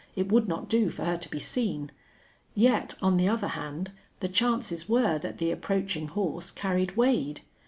It would not do for her to be seen. Yet, on the other hand, the chances were that the approaching horse carried Wade.